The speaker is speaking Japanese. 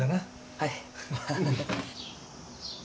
はい。